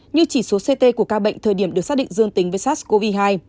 như chỉ số ct của ca bệnh thời điểm được xác định dương tính với sars cov hai